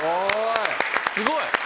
すごい！